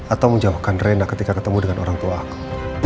atau menjauhkan reina ketika ketemu dengan orang tua aku